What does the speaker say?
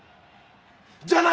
じゃない！